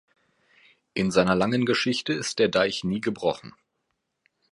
In seiner langen Geschichte ist der Deich nie gebrochen.